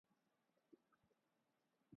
حسن اور حسین کا کام مکمل نہیں ہوتا۔